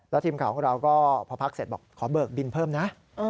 แล้วทีมข่าวของเราก็พอพักเสร็จบอกขอเบิกบินเพิ่มนะ